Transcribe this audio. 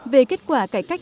về kết quả cải cách